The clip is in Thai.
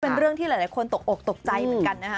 เป็นเรื่องที่หลายคนตกอกตกใจเหมือนกันนะฮะ